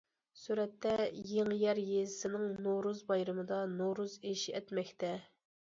سۈرەتتە: يېڭىيەر يېزىسىنىڭ نورۇز بايرىمىدا نورۇز ئېشى ئەتمەكتە.